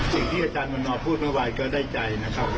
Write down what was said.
สิ่งที่อาจารย์วันนอพูดเมื่อวานก็ได้ใจนะครับ